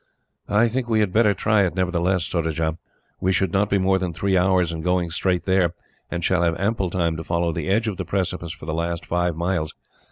"I think we had better try it, nevertheless, Surajah. We should not be more than three hours in going straight there, and shall have ample time to follow the edge of the precipice for the last five miles.